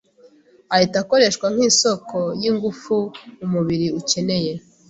ahita akoreshwa nk’isoko y’ingufu umubiri ukeneye.